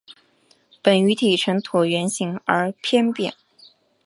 本鱼体呈椭圆形而侧扁。